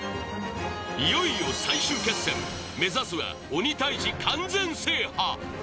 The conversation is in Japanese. いよいよ最終決戦目指すは鬼タイジ完全制覇